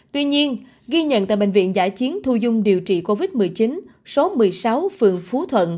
tuy nhiên ghi nhận tại bệnh viện giã chiến thu dung điều trị covid một mươi chín số một mươi sáu phường phú thuận